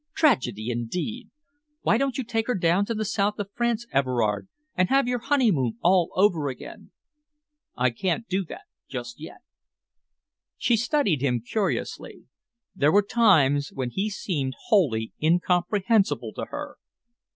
Tragedy, indeed! Why don't you take her down to the South of France, Everard, and have your honeymoon all over again?" "I can't do that just yet." She studied him curiously. There were times when he seemed wholly incomprehensible to her.